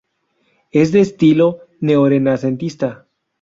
Es de estilo neorenacentista.